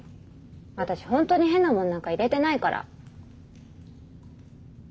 私ほんとに変なものなんか入れてないから。